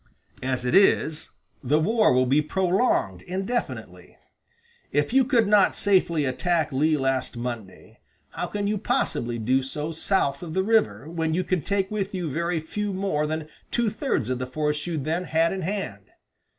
As it is, the war will be prolonged indefinitely. If you could not safely attack Lee last Monday, how can you possibly do so south of the river, when you can take with you very few more than two thirds of the force you then had in hand?